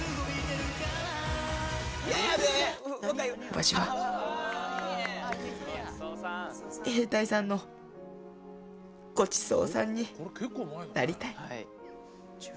わしは兵隊さんのごちそうさんになりたい。